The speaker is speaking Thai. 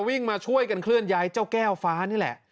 วิ่งมาช่วยกันเคลื่อนย้ายเจ้าแก้วฟ้านี่แหละ